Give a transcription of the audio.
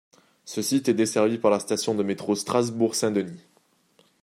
Ce site est desservi par la station de métro Strasbourg - Saint-Denis.